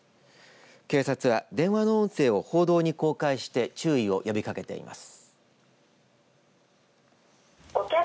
警察は電話の音声を報道に公開して注意を呼びかけています。